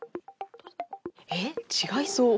えっ？違いそう。